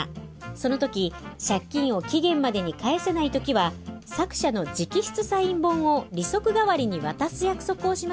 その時借金を期限までに返せない時は作者の直筆サイン本を利息代わりに渡す約束をしました。